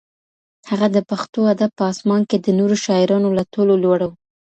هغه د پښتو ادب په اسمان کې د نورو شاعرانو له ټولو لوړ و.